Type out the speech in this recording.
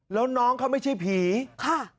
แล้วน้องเขาไม่ใช่ผีค่ะ